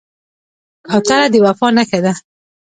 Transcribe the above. کوتره د وفا نښه ده.